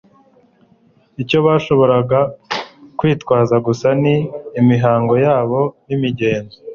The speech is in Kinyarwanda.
Icyo bashoboraga kwitwaza gusa ni imihango yabo n'imigenzo,